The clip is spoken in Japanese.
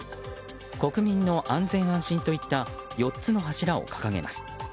国民の安心・安全といった４つの柱を掲げます。